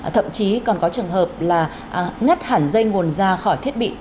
thậm chí còn có trường hợp là ngắt hẳn dây nguồn ra khỏi thiết bị